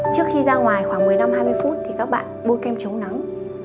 trước khi ra ngoài khoảng một mươi năm hai mươi phút thì các bạn bôi kem chống nắng